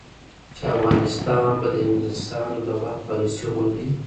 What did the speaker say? چې افغانستان به د انګلیسانو د وخت پالیسي غوندې،